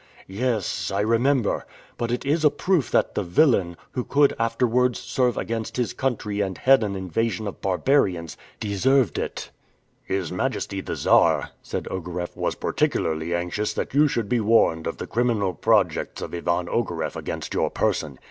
"Yes, I remember. But it is a proof that the villain, who could afterwards serve against his country and head an invasion of barbarians, deserved it." "His Majesty the Czar," said Ogareff, "was particularly anxious that you should be warned of the criminal projects of Ivan Ogareff against your person."